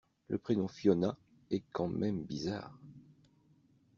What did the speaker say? Le prénom Fiona est quand même bizarre.